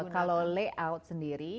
kalau layout sendiri